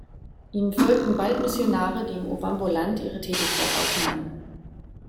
Ihnen folgten bald Missionare, die im Ovamboland ihre Tätigkeit aufnahmen.